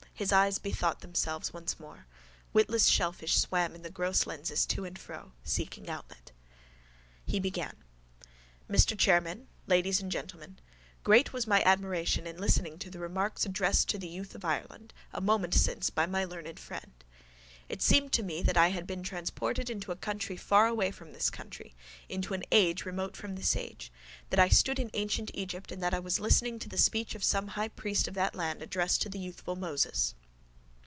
His eyes bethought themselves once more. Witless shellfish swam in the gross lenses to and fro, seeking outlet. He began: _—Mr Chairman, ladies and gentlemen: Great was my admiration in listening to the remarks addressed to the youth of Ireland a moment since by my learned friend. It seemed to me that I had been transported into a country far away from this country, into an age remote from this age, that I stood in ancient Egypt and that I was listening to the speech of some highpriest of that land addressed to the youthful Moses.